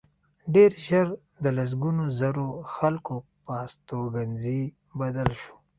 ډېر ژر د لسګونو زرو خلکو پر استوګنځي بدل شو